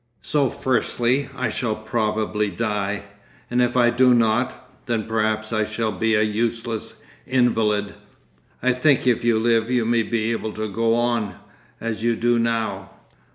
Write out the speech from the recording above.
'So firstly I shall probably die, and if I do not, then perhaps I shall be a useless invalid?' 'I think if you live, you may be able to go on—as you do now.